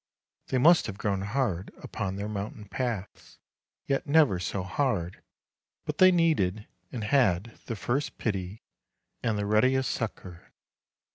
They must have grown hard upon their mountain paths, yet never so hard but they needed and had the first pity and the readiest succour.